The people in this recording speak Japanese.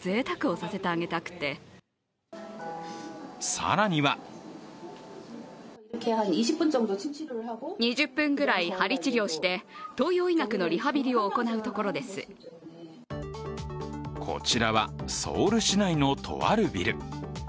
更にはこちらはソウル市内のとあるビル。